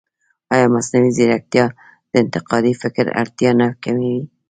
ایا مصنوعي ځیرکتیا د انتقادي فکر اړتیا نه کموي؟